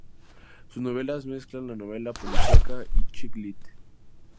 Sus novelas mezclan la novela policíaca y "chick lit".